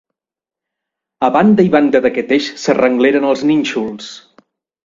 A banda i banda d'aquest eix s'arrengleren els nínxols.